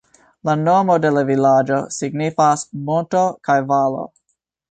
La nomo de la vilaĝo signifas "Monto kaj Valo".